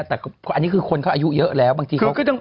แต่อันนี้คือคนเขาอายุเยอะแล้วบางทีเขาก็ต้อง